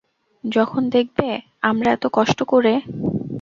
যখন দেখবে আমরা এত কষ্ট করে।